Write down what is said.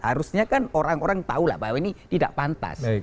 harusnya kan orang orang tahu lah bahwa ini tidak pantas